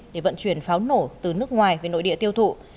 để vận chuyển pháo nổ từ nước ngoài về nội địa tiêu thụ